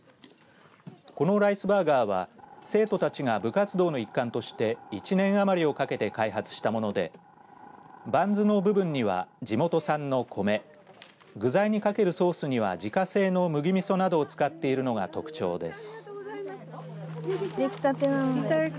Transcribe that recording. このライスバーガーは生徒たちが部活動の一環として１年余りをかけて開発したものでバンズの部分には地元産の米具材にかけるソースには自家製の麦みそなどを使っているのが特徴です。